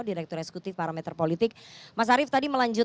itu kan kalau